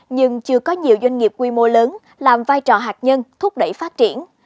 nhưng chưa có nhiều doanh nghiệp quy mô lớn làm vai trò hạt nhân thúc đẩy phát triển